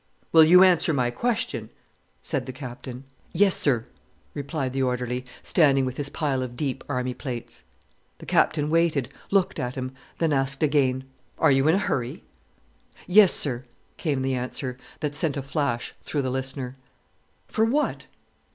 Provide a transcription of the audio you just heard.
"Will you answer my question?" said the Captain. "Yes, sir," replied the orderly, standing with his pile of deep Army plates. The Captain waited, looked at him, then asked again: "Are you in a hurry? "Yes, sir," came the answer, that sent a flash through the listener. "For what?"